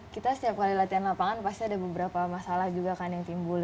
kita setiap kali latihan lapangan pasti ada beberapa masalah juga kan yang timbul